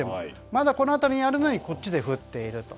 まだこの辺りにあるのにこっちで降っていると。